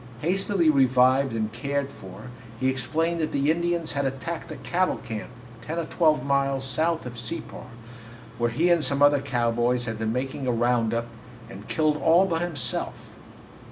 Hastily revived and cared for, he explained that the Indians had attacked the cattle camp, ten or twelve miles south of Separ, where he and some other cowboys had been making a round up, and killed all but himself.